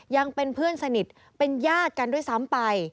ยังเป็นเพื่อนสนิทเป็นญาติกันด้วยซ้ำไป